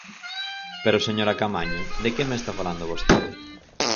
Pero, señora Caamaño, ¿de que me está falando vostede?